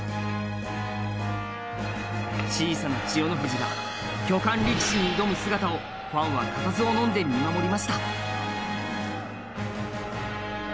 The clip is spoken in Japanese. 小さな千代の富士が巨漢力士に挑む姿をファンは固唾をのんで見守りました。